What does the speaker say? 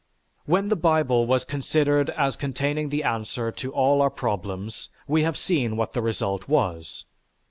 When the Bible was considered as containing the answer to all our problems we have seen what the result was.